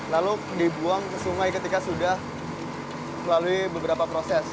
lalu dibuang ke sungai ketika sudah melalui beberapa proses